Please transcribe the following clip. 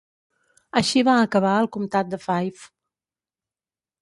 Així va acabar el comtat de Fife.